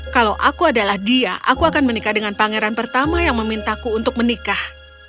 kalau aku adalah dia aku akan menikah dengan pangeran pertama yang memintaku untuk menikah